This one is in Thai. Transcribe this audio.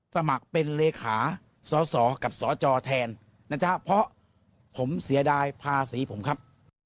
สมัครเป็นเลขาสอสอกับสจแทนนะจ๊ะเพราะผมเสียดายภาษีผมครับ